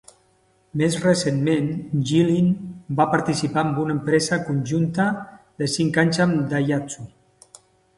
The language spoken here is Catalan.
Més recentment, Jilin va participar en una empresa conjunta de cinc anys amb Daihatsu.